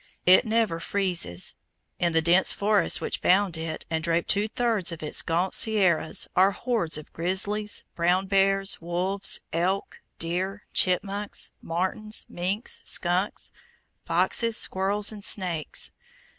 It never freezes. In the dense forests which bound it, and drape two thirds of its gaunt sierras, are hordes of grizzlies, brown bears, wolves, elk, deer, chipmunks, martens, minks, skunks, foxes, squirrels, and snakes.